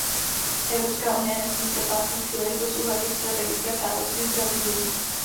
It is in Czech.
Evropská unie nesmí propásnout příležitost uzavřít strategické přátelství s Brazílií.